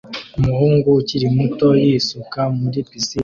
Umuhungu ukiri muto yisuka muri pisine